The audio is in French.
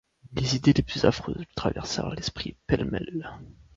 Les idées les plus affreuses lui traversèrent l’esprit pêle-mêle.